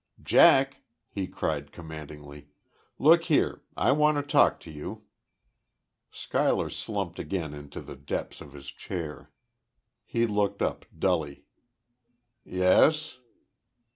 "Jack!" he cried, commandingly. "Look here! I want to talk to you!" Schuyler slumped again into the depths of his chair. He looked up, dully. "Yes?"